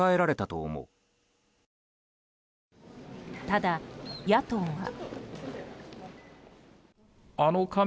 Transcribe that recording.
ただ、野党は。